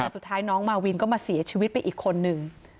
สุดท้ายน้องมาวินก็มาเสียชีวิตไปอีกคนนึง